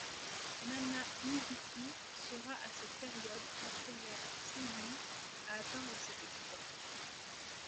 Nana Mizuki sera à cette période la première seiyū à atteindre cet exploit.